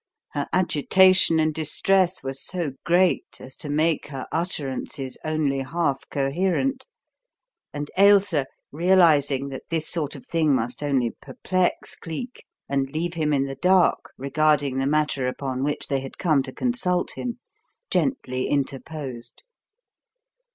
Her agitation and distress were so great as to make her utterances only half coherent; and Ailsa, realising that this sort of thing must only perplex Cleek, and leave him in the dark regarding the matter upon which they had come to consult him, gently interposed.